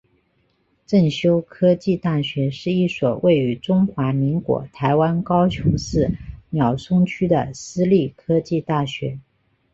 正修科技大学是一所位于中华民国台湾高雄市鸟松区的私立科技大学。